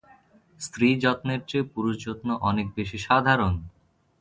স্ত্রী যত্নের চেয়ে পুরুষ যত্ন অনেক বেশি সাধারণ।